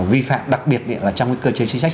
vi phạm đặc biệt là trong cái cơ chế chính sách